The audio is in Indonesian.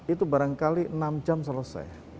itu barangkali enam jam selesai